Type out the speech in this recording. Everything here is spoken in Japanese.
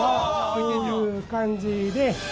こういう感じで。